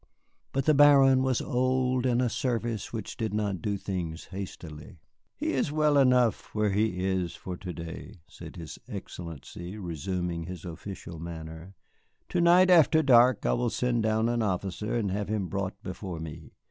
But the Baron was old in a service which did not do things hastily. "He is well enough where he is for to day," said his Excellency, resuming his official manner. "To night after dark I will send down an officer and have him brought before me.